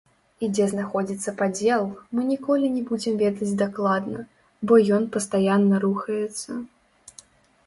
І дзе знаходзіцца падзел, мы ніколі не будзем ведаць дакладна, бо ён пастаянна рухаецца.